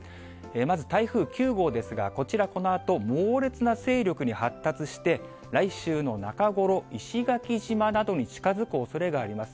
まず台風９号ですが、こちら、このあと猛烈な勢力に発達して、来週の中頃、石垣島などに近づくおそれがあります。